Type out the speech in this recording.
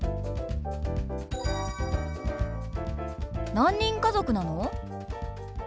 何人家族なの？